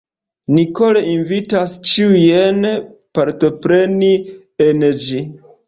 Ni kore invitas ĉiujn partopreni en ĝi!